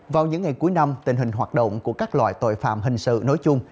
vào những ngày cuối năm tình hình hoạt động của các loại tội phạm hình sự nói chung